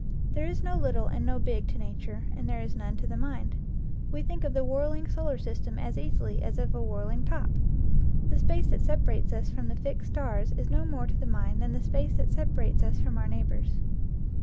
There is no little and no big to nature, and there is none to the mind. We think of the whirling solar system as easily as of a whirling top. The space that separates us from the fixed stars is no more to the mind than the space that separates us from our neighbors.